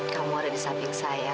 kamu ada di samping saya